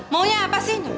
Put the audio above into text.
maunya apa sih